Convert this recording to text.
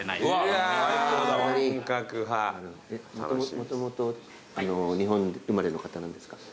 もともと日本生まれの方なんですか？